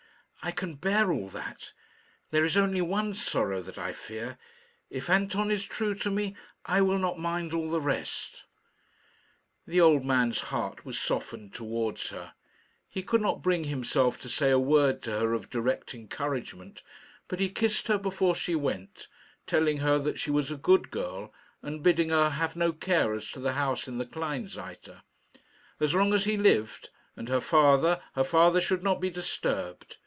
"I can bear all that. There is only one sorrow that I fear. If Anton is true to me, I will not mind all the rest." The old man's heart was softened towards her. He could not bring himself to say a word to her of direct encouragement, but he kissed her before she went, telling her that she was a good girl, and bidding her have no care as to the house in the Kleinseite. As long as he lived, and her father, her father should not be disturbed.